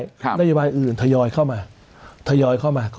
และมีบริมาณอื่นทยอยเข้ามา